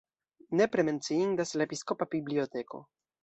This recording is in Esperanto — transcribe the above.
Nepre menciindas la episkopa biblioteko.